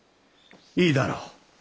いいだろう。